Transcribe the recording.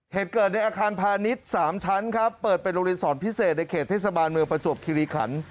เหตุเกิดในอาคารพาณิชย์๓ชั้นครับเปิดเป็นโรงเรียนสอนพิเศษในเขตเทศบาลเมืองประจวบคิริขัน